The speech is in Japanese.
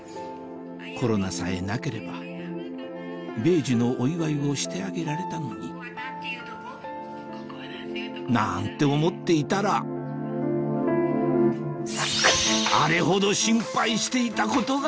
コロナさえなければ米寿のお祝いをしてあげられたのになんて思っていたらあれほど心配していたことが！